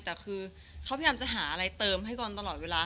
แต่คือเขาพยายามจะหาอะไรเติมให้กรตลอดเวลา